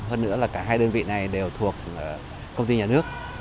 hơn nữa là cả hai đơn vị này đều thuộc công ty nhà nước